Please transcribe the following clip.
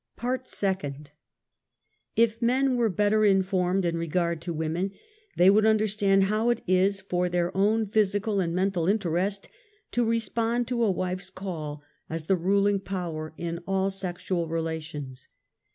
Part Second. If men were better informed in regard to women, they would understand how it is for their ov/n physi cal and mental interest to respond to a wife's call, as the ruling power in all sexual relations.